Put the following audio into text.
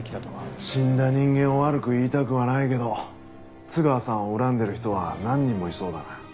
死んだ人間を悪く言いたくはないけど津川さんを恨んでる人は何人もいそうだな。